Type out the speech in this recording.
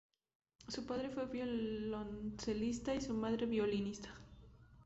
Su padre fue violoncelista y su madre violinista.